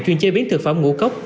chuyên chế biến thực phẩm ngũ cốc